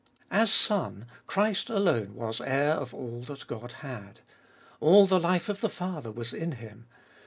As Son, Christ alone was heir of all that God had. All the life of the Father was in Him.